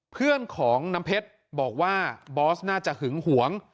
เพื่อนของน้ำเพชรบอกว่าบอสน่าจะหึงหวง